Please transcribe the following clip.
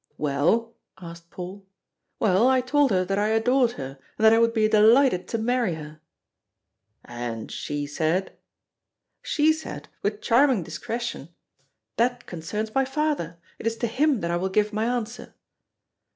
"Well?" asked Paul. "Well, I told her that I adored her and that I would be delighted to marry her." "And she said?" "She said, with charming discretion, 'That concerns my father. It is to him that I will give my answer.'"